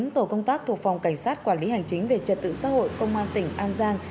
bốn tổ công tác thuộc phòng cảnh sát quản lý hành chính về trật tự xã hội công an tỉnh an giang